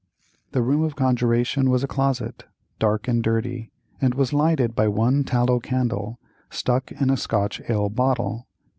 The room of conjuration was a closet, dark and dirty, and was lighted by one tallow candle, stuck in a Scotch ale bottle.